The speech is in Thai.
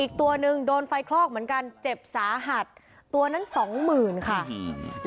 อีกตัวหนึ่งโดนไฟคลอกเหมือนกันเจ็บสาหัสตัวนั้นสองหมื่นค่ะอืม